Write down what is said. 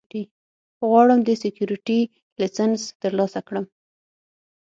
غواړم د سیکیورټي لېسنس ترلاسه کړم